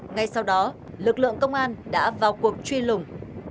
ngay sau đó lực lượng công an đã vào cuộc truy lùng